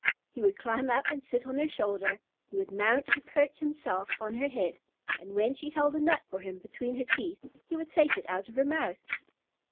He would climb up and sit on her shoulder; he would mount and perch himself on her head; and when she held a nut for him between her teeth, he would take it out of her mouth.